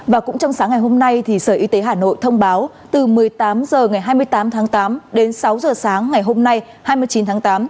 và cũng trong sáng ngày hôm nay sở y tế hà nội thông báo từ một mươi tám h ngày hai mươi tám tháng tám đến sáu h sáng ngày hôm nay hai mươi chín tháng tám